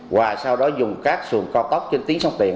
và sau đó dùng các sườn co tóc trên tiếng sông tiền